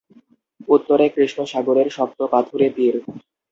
উত্তরে কৃষ্ণ সাগরের শক্ত পাথুরে তীর।